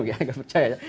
agak percaya ya